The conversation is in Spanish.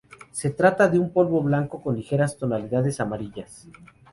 Se trata de un polvo blanco con ligeras tonalidades amarillas.